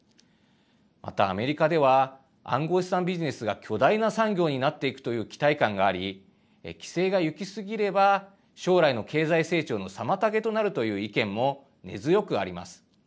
また、アメリカでは暗号資産ビジネスが巨大な産業になっていくという期待感があり規制が行き過ぎれば将来の経済成長の妨げとなるという意見も根強くあります。